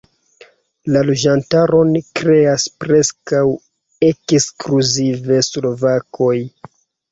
La loĝantaron kreas preskaŭ ekskluzive slovakoj.